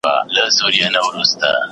په غلطه لار هڅه کول وخت ضایع کول دي.